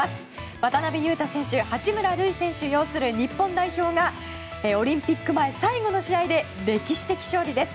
渡邊雄太選手、八村塁選手擁する日本代表がオリンピック前最後の試合で歴史的勝利です。